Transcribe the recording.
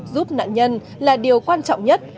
giúp nạn nhân là điều quan trọng nhất